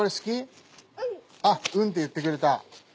うんって言ってくれた。